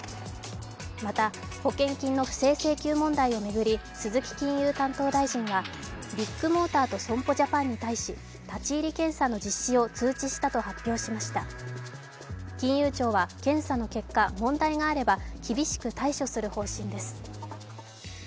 また、保険金の不正請求問題を巡り鈴木金融担当大臣はビッグモーターと損保ジャパンに対し、立ち入り検査の実施を通知したと発表しました金融庁は検査の結果、問題があれば厳しく対処する方針です。